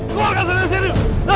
kau akan selesai ini